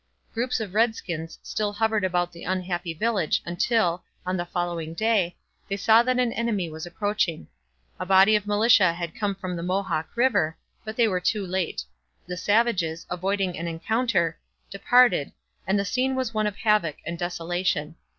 Groups of redskins still hovered about the unhappy village until, on the following day, they saw that an enemy was approaching. A body of militia had come from the Mohawk river, but they were too late; the savages, avoiding an encounter, departed, and the scene was one of havoc and desolation.